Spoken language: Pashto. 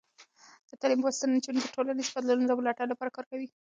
د تعلیم په واسطه، نجونې د ټولنیزو بدلونونو د ملاتړ لپاره کار کوي.